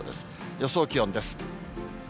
予想気温です。